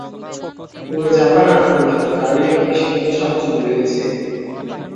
পুরো জাপান আতঙ্কিত কারণ এক বিষাক্ত সাপ চুরি হয়েছে।